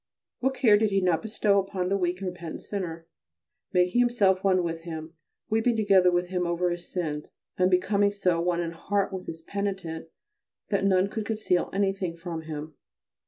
What care did he not bestow upon the weak and repentant sinner, making himself one with him, weeping together with him over his sins, and becoming so one in heart with his penitent that none could conceal anything from him.